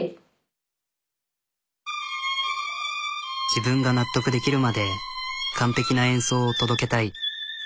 私自分が納得できるまで完璧な演奏を届けたい。